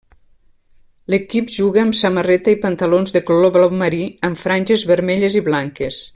L'equip juga amb samarreta i pantalons de color blau marí amb franges vermelles i blanques.